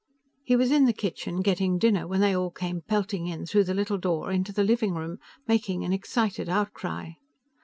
He was in the kitchen, getting dinner, when they all came pelting in through the little door into the living room, making an excited outcry.